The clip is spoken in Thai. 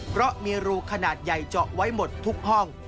เพราะมีรูขนาดใหญ่เจาะไว้หมดทุกห้อง